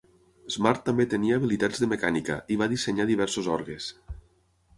Smart també tenia habilitats de mecànica, i va dissenyar diversos orgues.